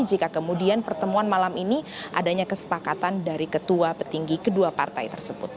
jika kemudian pertemuan malam ini adanya kesepakatan dari ketua petinggi kedua partai tersebut